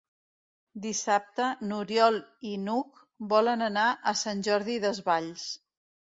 Dissabte n'Oriol i n'Hug volen anar a Sant Jordi Desvalls.